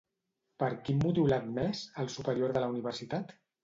Per quin motiu l'ha admès, el superior de la Universitat?